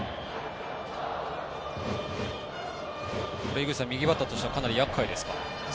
井口さん、右バッターとしてはかなりやっかいですか？